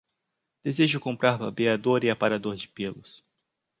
Desejo comprar barbeador e aparador de pelos